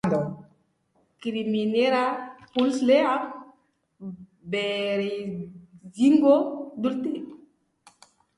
Krimenaren puzzlea berregingo dute.